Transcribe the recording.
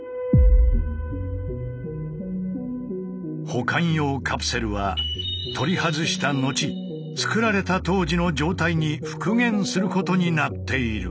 保管用カプセルは取り外した後つくられた当時の状態に復元することになっている。